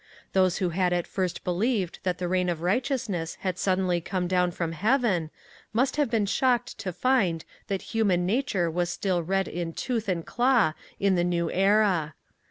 Those who had at first believed that the reign of righteousness had suddenly come down from Heaven must have been shocked to find that human nature was still red in tooth and claw in the new era.